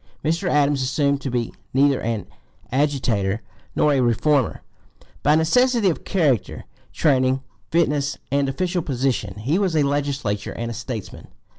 Mr. Adams assumed to be neither an agitator nor a reformer; by necessity of character, training, fitness, and official position, he was a legislator and statesman.